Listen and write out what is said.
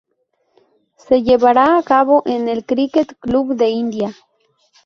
Se llevará a cabo en el Cricket Club de India.